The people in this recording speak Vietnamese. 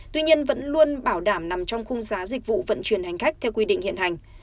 tuy nhiên vẫn luôn bảo đảm nằm trong khung giá dịch vụ vận chuyển hành khách theo quy định hiện hành